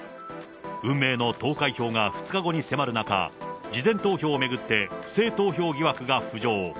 運命の投開票が２日後に迫る中、事前投票を巡って、不正投票疑惑が浮上。